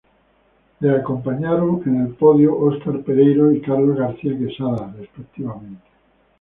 Le acompañaron en el podio Óscar Pereiro y Carlos García Quesada respectivamente.